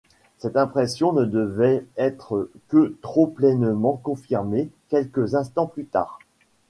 Cette impression ne devait être que trop pleinement confirmée, quelques instants plus tard.